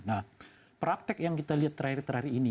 nah praktek yang kita lihat terakhir terakhir ini